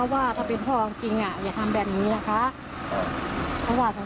อย่าทำแบบนี้แหละคะ